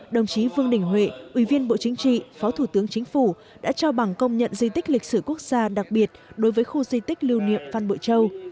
đồng chí vương đình huệ ủy viên bộ chính trị phó thủ tướng chính phủ đã trao bằng công nhận di tích lịch sử quốc gia đặc biệt đối với khu di tích lưu niệm phan bội châu